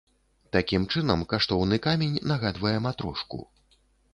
Такім чынам, каштоўны камень нагадвае матрошку.